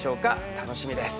楽しみです。